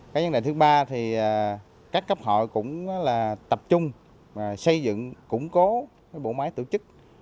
cái vấn đề thứ ba thì các cấp hội cũng là tập trung xây dựng củng cố bộ máy tổ chức